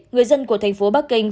người dân của thành phố bắc kinh